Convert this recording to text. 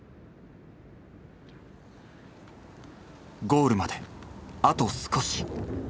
ゴールまであと少し。